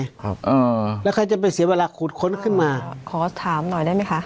ครับอ่าแล้วใครจะไปเสียเวลาขุดค้นขึ้นมาขอถามหน่อยได้ไหมคะ